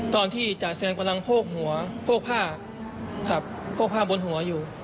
จ่าแซมกำลังโพกหัวโพกผ้าขับโพกผ้าบนหัวอยู่